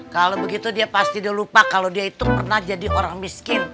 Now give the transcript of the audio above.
kalau begitu dia pasti dia lupa kalau dia itu pernah jadi orang miskin